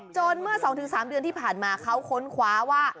เมื่อ๒๓เดือนที่ผ่านมาเขาค้นคว้าว่า